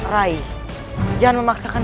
rai jangan memaksakan